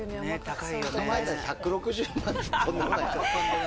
考えたら１６０万ってとんでもない。